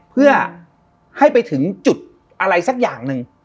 เพื่อให้ไปถึงจุดอะไรสักอย่างหนึ่ง